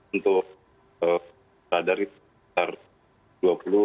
untuk radar itu